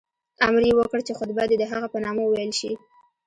امر یې وکړ چې خطبه دې د هغه په نامه وویل شي.